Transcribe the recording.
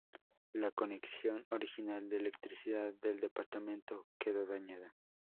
La conexión original de electricidad del departamento queda dañada.